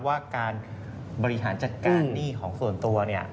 ว่าการบริหารจัดการหนี้ของส่วนตัวเนี่ย